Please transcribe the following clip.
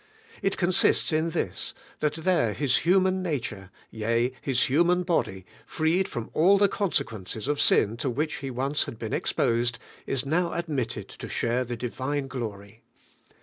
It consists in this, that there His human nature, yea, His human body, freed from all the consequences of sin to which He once had been exposed, is now ad mitted to share the Divine glory.